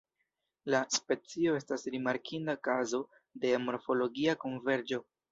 La specio estas rimarkinda kazo de morfologia konverĝo.